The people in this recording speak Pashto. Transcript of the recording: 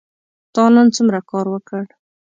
تا نن څومره کار وکړ ؟